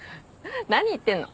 何言ってんの。